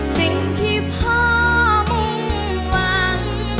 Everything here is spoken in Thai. สิ่งที่พ่อมุ่งหวัง